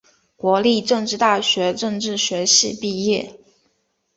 国立政治大学政治学系毕业。